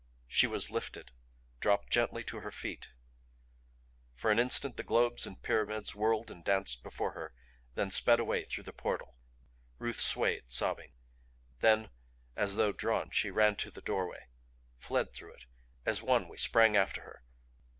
She was lifted; dropped gently to her feet. For an instant the globes and pyramids whirled and danced before her then sped away through the portal. Ruth swayed, sobbing. Then as though drawn, she ran to the doorway, fled through it. As one we sprang after her.